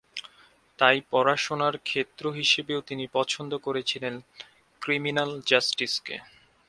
তাই পড়াশোনার ক্ষেত্র হিসেবেও তিনি পছন্দ করেছিলেন ক্রিমিনাল জাস্টিসকে।